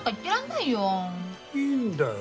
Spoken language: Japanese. いいんだよ